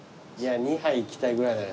２杯いきたいぐらいだね